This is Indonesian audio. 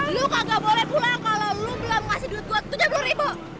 lo kagak boleh pulang kalau lo belum kasih duit gue tujuh puluh ribu